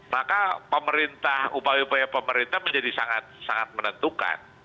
maka pemerintah upaya upaya pemerintah menjadi sangat menentukan